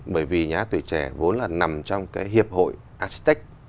bởi vì nhà hát tuổi trẻ vốn là nằm trong cái hiệp hội astec